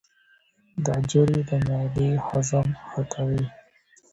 ګازرې د معدې هضم ښه کوي.